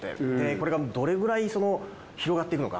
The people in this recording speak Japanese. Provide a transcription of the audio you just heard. これがどれくらい広がっていくのか。